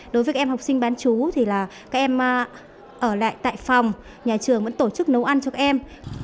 đối với các em học sinh bán chú thì là các em ở lại tại phòng nhà trường vẫn tổ chức nấu ăn cho em